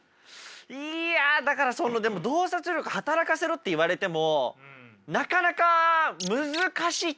いやだからそのでも洞察力働かせろって言われてもなかなか難しいっちゃ難しいですよね？